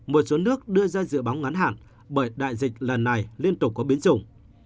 một số nước đưa ra dự báo ngắn hạn bởi đại dịch lần này liên tục có biến chủng